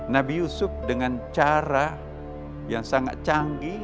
nabi yusuf dengan cara yang sangat canggih